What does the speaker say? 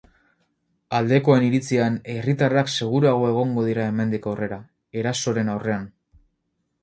Aldekoen iritzian, herritarrak seguruago egongo dira hemendik aurrera, erasoren aurrean.